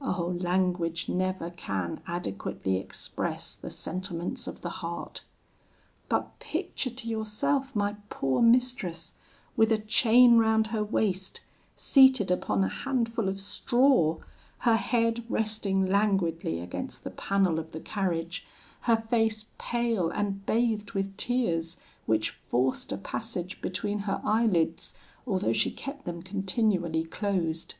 Oh! language never can adequately express the sentiments of the heart; but picture to yourself my poor mistress, with a chain round her waist, seated upon a handful of straw, her head resting languidly against the panel of the carriage, her face pale and bathed with tears, which forced a passage between her eyelids, although she kept them continually closed.